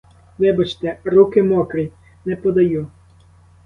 Вибачте, руки мокрі, не подаю!